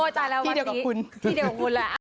ที่เดียวกับคุณ